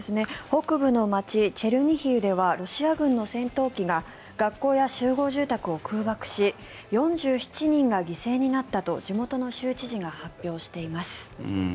北部の街チェルニヒウではロシア軍の戦闘機が学校や集合住宅を空爆し４７人が犠牲になったと地元の州知事が発表しています。